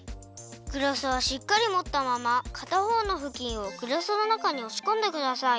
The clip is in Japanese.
グラスはしっかりもったままかたほうのふきんをグラスの中におしこんでください。